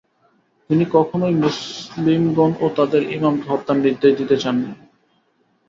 তিনি কখনোই মুসলিমগণ ও তাদের "ইমাম"কে হত্যার নির্দেশ দিতে চান নি।